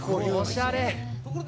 おしゃれ。